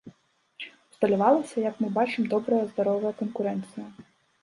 Усталявалася, як мы бачым, добрая здаровая канкурэнцыя.